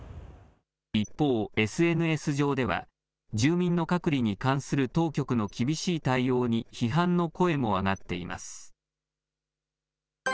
一方、ＳＮＳ上では、住民の隔離に関する当局の厳しい対応に批判の声も上がっています。